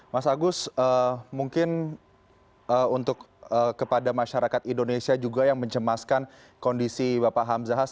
mas agus mungkin untuk kepada masyarakat indonesia juga yang mencemaskan kondisi bapak hamzahas